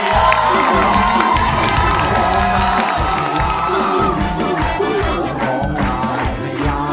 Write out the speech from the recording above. มาแสนไปแสนไม่ต้องหวังจะกรองได้ไว้ยาง